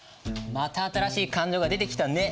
また新しい勘定が出てきたね！